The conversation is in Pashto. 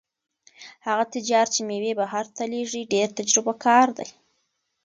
هغه تجار چې مېوې بهر ته لېږي ډېر تجربه کار دی.